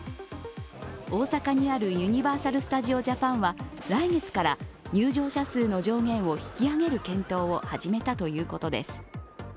大阪にあるユニバーサル・スタジオ・ジャパンは来月から入場者数の上限を引き上げる検討を始めたということです。